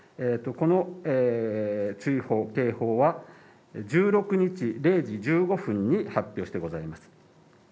この注意報警報は１６日０時１５分に発表してございます。